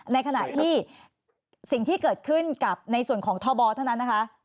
ในขณะที่สิ่งที่เกิดขึ้นกับในส่วนของทบเท่านั้นนะคะ